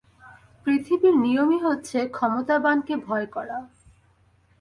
পৃথিবীর নিয়মই হচ্ছে ক্ষমতাবানকে ভয় করা।